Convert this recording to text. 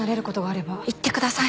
言ってください。